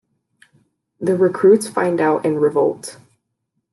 The recruits find out and revolt.